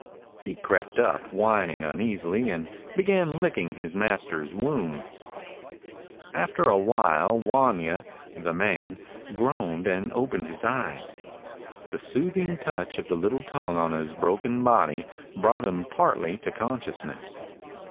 He crept up, whining uneasily, and began licking his mas ter's wounds. After a while Wanya, the man, groaned and opened his eyes. The soothing touch of the 173 DOG HEROES OF MANY LANDS little tongue on his broken body brought him partly to consciousness.